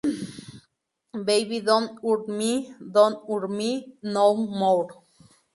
Baby don't hurt me, don't hurt me, no more".